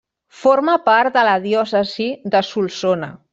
Forma part de la diòcesi de Solsona.